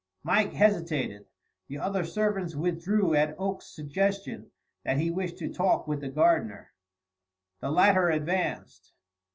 Mike hesitated. The other servants withdrew at Oakes's suggestion that he wished to talk with the gardener. The latter advanced.